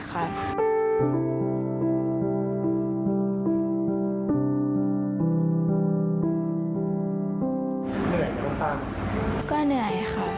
ก็เหนื่อยค่ะ